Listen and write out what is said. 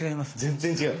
全然違う。